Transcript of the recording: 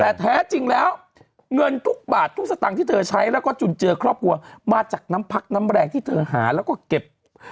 แต่แท้จริงแล้วเงินทุกบาททุกสตางค์ที่เธอใช้แล้วก็จุนเจือครอบครัวมาจากน้ำพักน้ำแรงที่เธอหาแล้วก็เก็บ